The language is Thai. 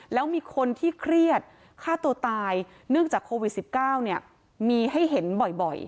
แล้วมีคนที่เครียดฆ่าตัวตายเนื่องจากโควิด๑๙เนี่ยมีให้เห็นบ่อย